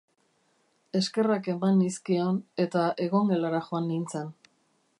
Eskerrak eman nizkion, eta egongelara joan nintzen.